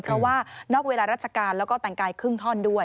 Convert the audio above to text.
เพราะว่านอกเวลาราชการแล้วก็แต่งกายครึ่งท่อนด้วย